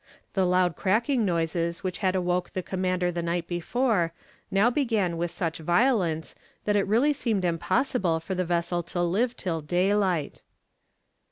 The loud cracking noises which had awoke the commander the night before now began with such violence that it really seemed impossible for the vessel to live till daylight.